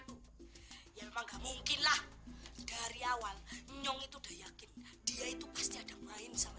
tuh ya memang nggak mungkin lah dari awal nyong itu udah yakin dia itu pasti ada main sama